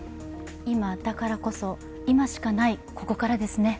今だからこそ、今しかない、ここからですね。